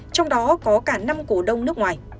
trong đó có cả năm cổ đông nước ngoài